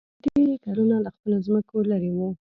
سرتېري کلونه له خپلو ځمکو لېرې وو.